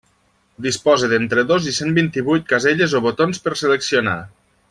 Disposa d'entre dos i cent vint-i-vuit caselles o botons per seleccionar.